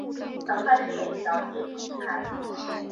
强拍是每小节第一拍。